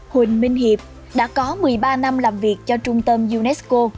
huỳnh minh hiệp đã có một mươi ba năm làm việc cho trung tâm unesco